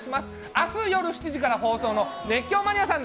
明日夜７時から放送の「熱狂マニアさん！」